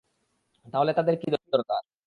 তাহলে তাদের কি দরকার?